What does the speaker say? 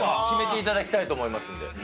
決めていただきたいと思いますので。